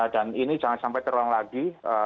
dan ini jangan sampai terlalu lagi